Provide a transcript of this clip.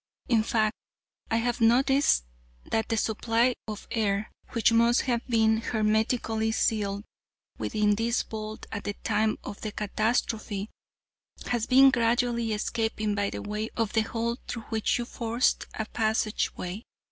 In fact I have noticed that the supply of air, which must have been hermetically sealed within this vault at the time of the catastrophe, has been gradually escaping by way of the hole through which you forced a passageway.